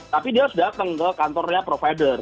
tapi dia harus datang ke kantornya provider